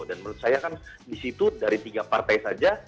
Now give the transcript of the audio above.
dan menurut saya kan di situ dari tiga partai saja